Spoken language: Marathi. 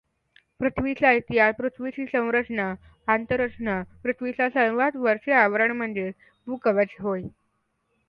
पृथ्वीचा इतिहास पृथ्वीची संरचना आंतररचना पृथ्वीच्या सर्वांत वरचे आवरण म्हणजे भूकवच होय.